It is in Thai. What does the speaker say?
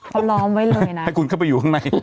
เขาล้อมไว้เลยนะให้คุณเข้าไปอยู่ข้างใน